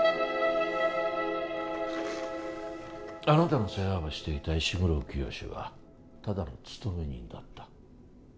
あなたの世話をしていた石黒清はただの勤め人だった。